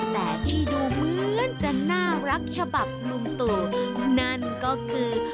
แต่ที่ดูเหมือนจะน่ารักฉบับลุงตู่นั่นก็คือ